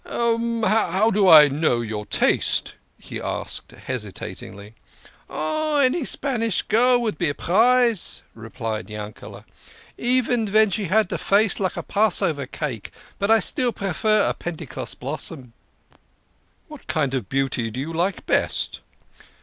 "How do I know your taste?" he asked hesitatingly. "Oh, any Spanish girl would be a prize," replied Yankele". " Even ven she had a face like a Passover cake. But still I prefer a Pentecost blossom." "What kind of beauty do you like best?"